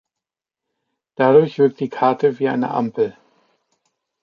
Dadurch wirkt die Karte wie eine Ampel.